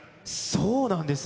そうなんですよ。